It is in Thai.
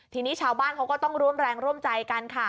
ทีนี้ชาวบ้านเขาก็ต้องร่วมแรงร่วมใจกันค่ะ